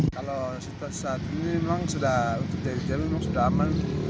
kalau saat ini memang sudah untuk jaya wijaya memang sudah aman